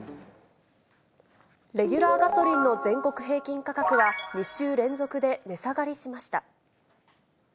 レギュラーガソリンの全国平均価格は、２週連続で値下がりしました。